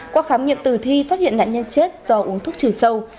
qua khám nghiệm tử thi phát hiện nạn nhân chết do uống thuốc trừ sâu